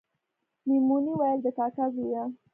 میمونې ویل د کاکا زویه